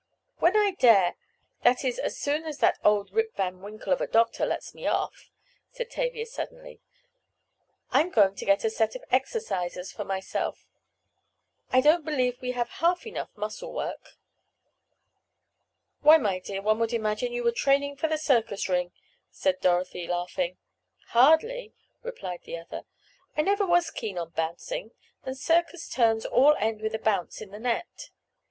"When I dare—that is as soon as that old Rip Van Winkle of a doctor lets me off," said Tavia suddenly, "I'm going to get a set of exercisers for myself. I don't believe we have half enough muscle work." "Why, my dear, one would imagine you were training for the circus ring," said Dorothy laughing. "Hardly," replied the other. "I never was keen on bouncing, and circus turns all end with a bounce in the net.